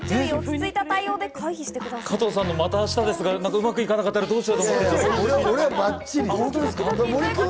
加藤さんの「また明日です」がうまくいかなかったら、どうしようかと。